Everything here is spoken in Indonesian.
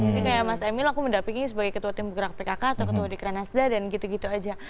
jadi kayak mas emil aku mendampingi sebagai ketua tim bergerak pkk atau ketua di krenasda dan gitu gitu aja